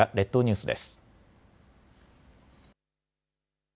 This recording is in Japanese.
列島ニュースです。